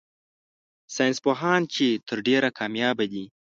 ساينس پوهان چي تر ډېره کاميابه دي